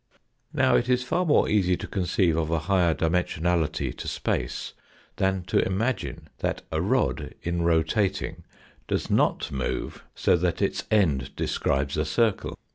Now, it is far more easy to conceive of a higher dimen sionality to space than to imagine that a rod in rotating does not move so that its end describes a circle.